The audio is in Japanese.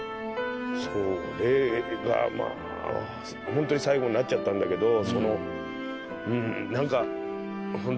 それがまあホントに最後になっちゃったんだけど。